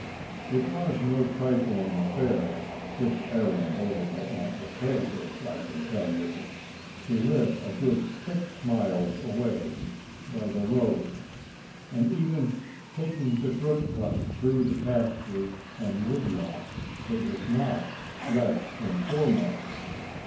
It was no trifling affair, this errand over to Aunt Matilda's, I can tell you. She lived six good miles away by the road, and even taking the short cut through the pasture and wood lot, it was not less than four miles.